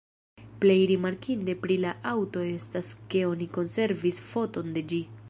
Plej rimarkinde pri la aŭto estas ke oni konservis foton de ĝi.